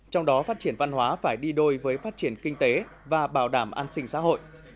trong đó phát triển văn hóa phải đi đôi với phát triển kinh tế và bảo đảm an sinh xã hội